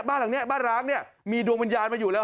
บ้านหลังนี้บ้านร้างเนี่ยมีดวงวิญญาณมาอยู่แล้ว